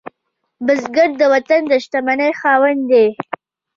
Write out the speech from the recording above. بزګر د وطن د شتمنۍ خاوند دی